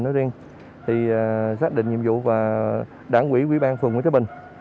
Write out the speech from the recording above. nói riêng thì xác định nhiệm vụ và đảng quỹ quỹ ban phường nguyễn thái bình